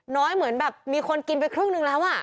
เหมือนแบบมีคนกินไปครึ่งนึงแล้ว